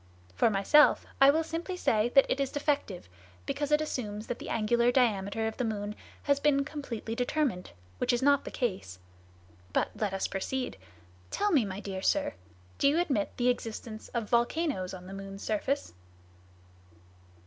For myself, I will simply say that it is defective, because it assumes that the angular diameter of the moon has been completely determined, which is not the case. But let us proceed. Tell me, my dear sir, do you admit the existence of volcanoes on the moon's surface?"